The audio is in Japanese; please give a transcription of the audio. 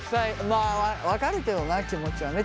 まあ分かるけどな気持ちはね。